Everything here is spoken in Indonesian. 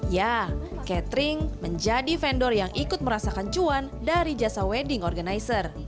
ya catering menjadi vendor yang ikut merasakan cuan dari jasa wedding organizer